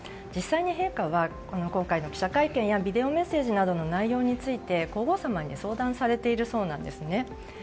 実際に陛下は今回の記者会見やビデオメッセージなどの内容について皇后さまに相談されているそうなんですね。